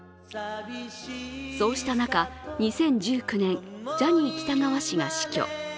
そうした中、２０１９年ジャニー喜多川氏が死去。